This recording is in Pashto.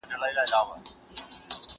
ځيني ميندي او پلرونه د لوڼو هر شکايت اوري.